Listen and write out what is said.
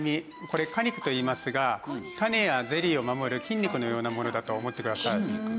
これ果肉といいますが種やゼリーを守る筋肉のようなものだと思ってください。